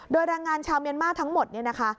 โดยแรงงานชาวเมียนมาร์ทั้งหมดเนี่ยนะคะ